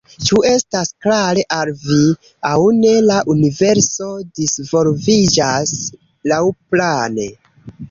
Ĉu estas klare al vi, aŭ ne, la universo disvolviĝas laŭplane.